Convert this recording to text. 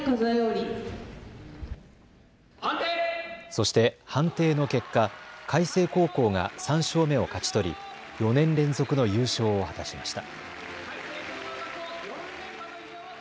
そして判定の結果、開成高校が３勝目を勝ち取り４年連続の優勝を果たしました。